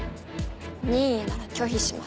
任意なら拒否します。